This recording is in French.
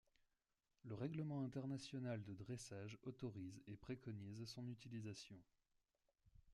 Le règlement international de dressage autorise et préconise son utilisation.